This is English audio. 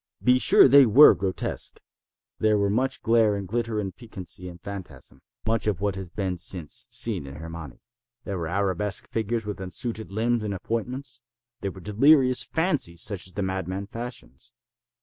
Be sure they were grotesque. There were much glare and glitter and piquancy and phantasm—much of what has been since seen in "Hernani." There were arabesque figures with unsuited limbs and appointments. There were delirious fancies such as the madman fashions.